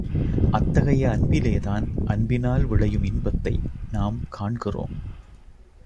அத்தகைய அன்பிலேதான் அன்பினால் விளையும் இன்பத்தை நாம் காண்கிறோம்.